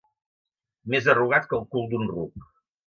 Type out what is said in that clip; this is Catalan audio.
Més arrugat que el cul d'un ruc.